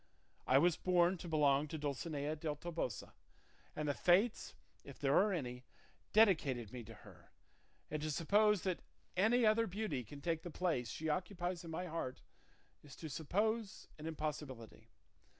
I was born to belong to Dulcinea del Toboso, and the fates, if there are any, dedicated me to her; and to suppose that any other beauty can take the place she occupies in my heart is to suppose an impossibility.